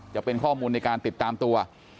จะเป็นข้อมูลในการติดตามตัว